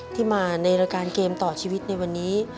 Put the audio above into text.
ที่มาในรายการเกมต่อชีวิตในวันนี้